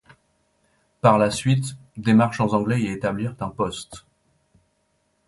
Par la suite, des marchands anglais y établirent un poste.